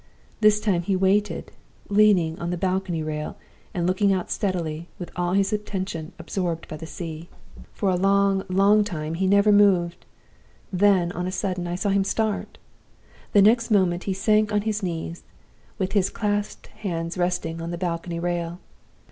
This time he waited, leaning on the balcony rail, and looking out steadily, with all his attention absorbed by the sea. "For a long, long time he never moved. Then, on a sudden, I saw him start. The next moment he sank on his knees, with his clasped hands resting on the balcony rail.